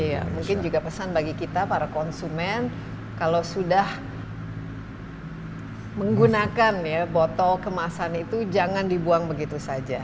iya mungkin juga pesan bagi kita para konsumen kalau sudah menggunakan ya botol kemasan itu jangan dibuang begitu saja